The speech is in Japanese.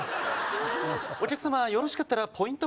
お客様よろしかったらポイント